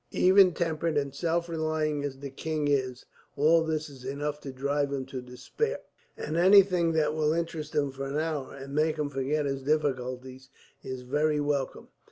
Even tempered and self relying as the king is, all this is enough to drive him to despair; and anything that will interest him for an hour, and make him forget his difficulties, is very welcome."